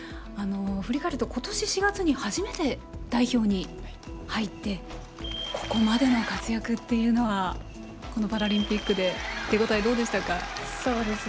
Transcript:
振り返ると今年４月に初めて代表に入ってここまでの活躍っていうのはこのパラリンピックで手応え、どうでしたか。